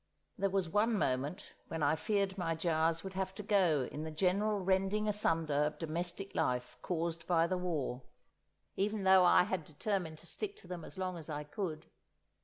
There was one moment when I feared my jars would have to go in the general rending asunder of domestic life caused by the War, even though I had determined to stick to them as long as I could.